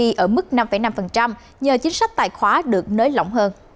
tăng trưởng gdp ở mức năm năm nhờ chính sách tài khoá được nới lỏng hơn